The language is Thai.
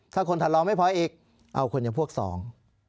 ถ้าคนถัดรองไม่พออีกเอาคนอย่างพวกสอง